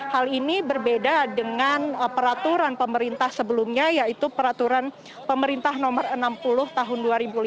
hal ini berbeda dengan peraturan pemerintah sebelumnya yaitu peraturan pemerintah nomor enam puluh tahun dua ribu lima belas